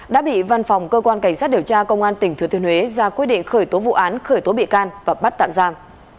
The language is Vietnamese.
đã bị văn phòng cơ quan cảnh sát điều tra công an tỉnh thừa thiên huế ra quyết định khởi tố vụ án khởi tố bị can và bắt tạm giam